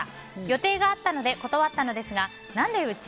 予定があったので断ったのですが何で、うち？